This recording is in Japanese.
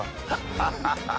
ハハハハ。